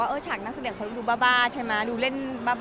ถึงช่างน้สุเนียงเค้าดูบ้าดูเล่น